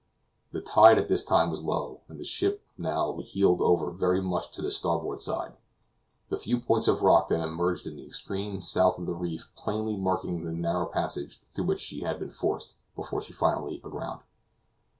The tide at this time was low, and the ship now lay heeled over very much to the starboard side, the few points of rock that emerged in the extreme south of the reef plainly marking the narrow passage through which she had been forced before she finally ran aground.